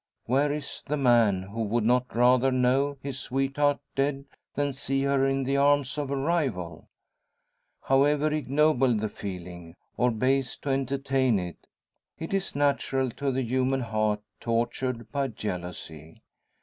Where is the man who would not rather know his sweetheart dead than see her in the arms of a rival? However ignoble the feeling, or base to entertain it, it is natural to the human heart tortured by jealousy.